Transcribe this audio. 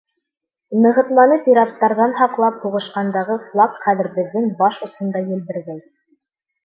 Нығытманы пираттарҙан һаҡлап һуғышҡандағы флаг хәҙер беҙҙең баш осонда елберҙәй.